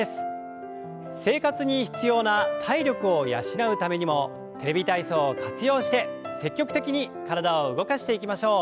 生活に必要な体力を養うためにも「テレビ体操」を活用して積極的に体を動かしていきましょう。